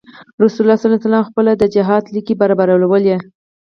رسول الله صلی علیه وسلم خپله د جهاد ليکې برابرولې.